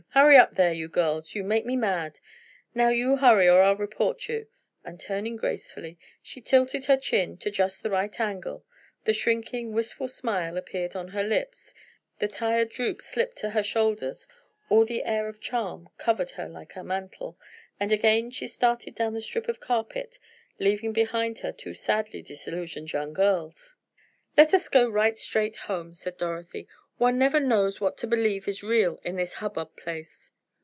Hurry up there, you girls, you make me mad! Now you hurry, or I'll report you!" and turning gracefully, she tilted her chin to just the right angle, the shrinking, wistful smile appeared on her lips, the tired droop slipped to her shoulders, all the air of charm covered her like a mantle, and again she started down the strip of carpet, leaving behind her two sadly disillusioned young girls. "Let us go right straight home," said Dorothy. "One never knows what to believe is real in this hub bub place."